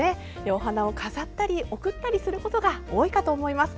お花を飾ったり贈ったりすることが多いかと思います。